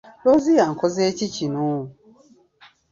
Looziyo onkoze ki kino?